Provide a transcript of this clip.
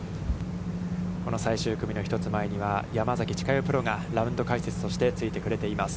この最終組の１つ前には、山崎千佳代プロがラウンド解説としてついてくれています。